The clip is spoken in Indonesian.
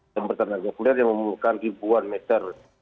yang bertenaga nuklir yang memiliki ribuan meter